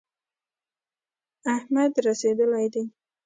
احمد رسېدلی دی.